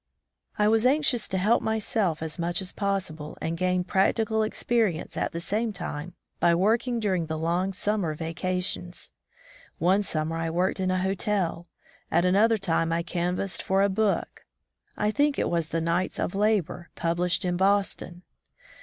I was anxious to help myself as much as possible and gain practical experience at the same time, by working during the long summer vacations. One summer I worked in a hotel, at another time I canvassed for a book, I think it was the "Knights of Labor," 69 From the Deep Woods to Civilization published in Bostx)n.